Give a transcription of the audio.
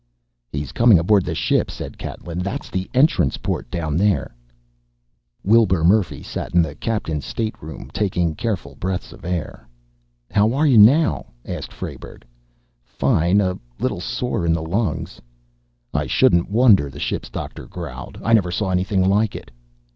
"He's coming aboard the ship," said Catlin. "That's the entrance port down there...." Wilbur Murphy sat in the captain's stateroom, taking careful breaths of air. "How are you now?" asked Frayberg. "Fine. A little sore in the lungs." "I shouldn't wonder," the ship's doctor growled. "I never saw anything like it."